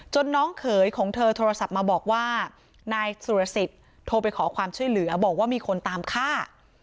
น้องเขยของเธอโทรศัพท์มาบอกว่านายสุรสิทธิ์โทรไปขอความช่วยเหลือบอกว่ามีคนตามฆ่า